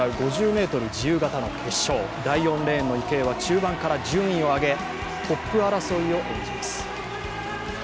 第４レーンの池江は中盤から順位を上げ、トップ争いを演じます。